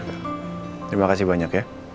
terima kasih banyak ya